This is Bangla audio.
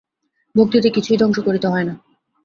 ভক্তিতে কিছুই ধ্বংস করিতে হয় না।